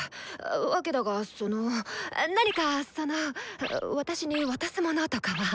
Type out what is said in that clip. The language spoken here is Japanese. わけだがその何かその私に渡すものとかは。